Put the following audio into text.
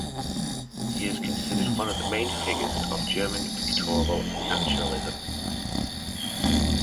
He is considered one of the main figures of German pictorial naturalism.